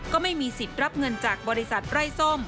ก็ไม่มีสิทธิ์รับเงินจากบริษัทไร้ส้ม